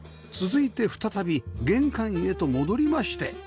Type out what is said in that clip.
続いて再び玄関へと戻りまして